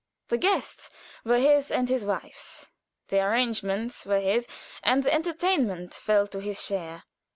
The guests were his and his wife's; the arrangements were his, and the entertainment fell to his share.